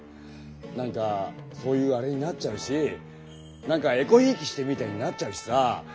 何かそういうあれになっちゃうし何かえこひいきしてるみたいになっちゃうしさあ。